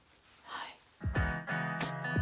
はい。